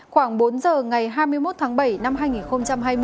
khoảng bốn giờ ngày hai mươi một tháng bảy năm hai nghìn hai mươi